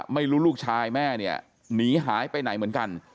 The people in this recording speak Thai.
ลูกชายแม่เนี่ยหนีหายไปไหนเหมือนกัน